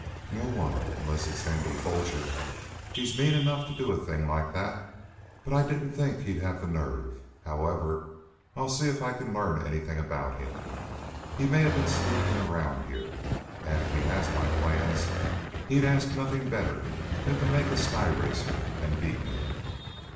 "No one, unless it's Andy Foger. He's mean enough to do a thing like that, but I didn't think he'd have the nerve. However, I'll see if I can learn anything about him. He may have been sneaking around, and if he has my plans he'd ask nothing better than to make a sky racer and beat me."